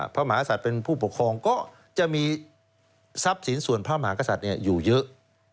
พระมหาศัตริย์เป็นผู้ปกครองก็จะมีทรัพย์สินส่วนพระมหากษัตริย์อยู่เยอะ